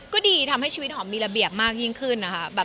ก็ดีทำให้ชีวิตหอมมีระเบียบมากยิ่งขึ้นนะคะ